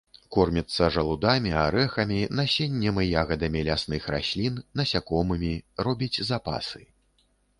Корміцца жалудамі, арэхамі, насеннем і ягадамі лясных раслін, насякомымі, робіць запасы.